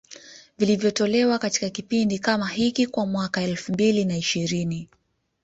vilivyotolewa katika kipindi kama hiki kwa mwaka elfu mbili na ishirini